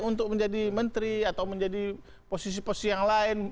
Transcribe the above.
untuk menjadi menteri atau menjadi posisi posisi yang lain